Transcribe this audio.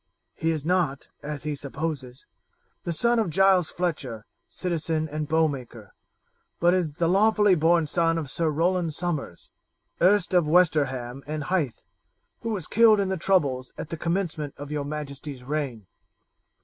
He is not, as he supposes, the son of Giles Fletcher, citizen and bowmaker, but is the lawfully born son of Sir Roland Somers, erst of Westerham and Hythe, who was killed in the troubles at the commencement of your majesty's reign.